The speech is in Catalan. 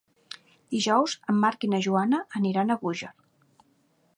Dijous en Marc i na Joana iran a Búger.